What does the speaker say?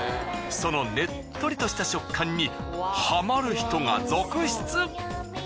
そのねっとりとした食感にハマる人が続出。